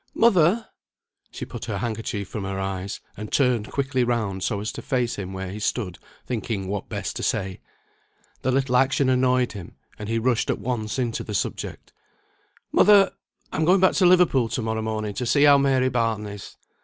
"Mother!" She put her handkerchief from her eyes, and turned quickly round so as to face him where he stood, thinking what best to say. The little action annoyed him, and he rushed at once into the subject. "Mother! I am going back to Liverpool to morrow morning to see how Mary Barton is."